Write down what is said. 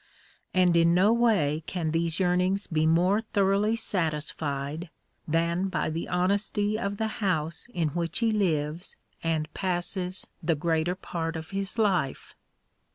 And in no way can these yearnings be more thoroughly satisfied than by the honesty of the house in which he lives and passes the greater part of his life.